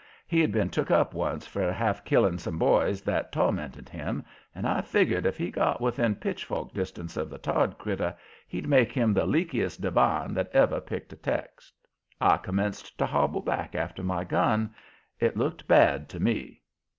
He'd been took up once for half killing some boys that tormented him, and I figgered if he got within pitchfork distance of the Todd critter he'd make him the leakiest divine that ever picked a text. I commenced to hobble back after my gun. It looked bad to me.